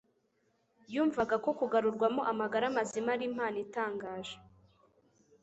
yumvaga ko kugarurwamo amagara mazima ari impano itangaje.